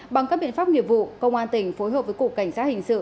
bằng các biện pháp nghiệp vụ công an tỉnh phối hợp với cục cảnh sát hình sự